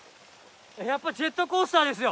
やっぱりジェットコースターですよ！